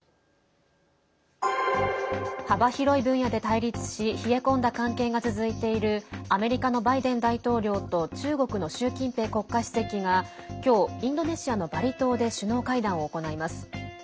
幅広い分野で対立し冷え込んだ関係が続いているアメリカのバイデン大統領と中国の習近平国家主席が今日、インドネシアのバリ島で首脳会談を行います。